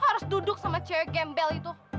harus duduk sama cewek gembel itu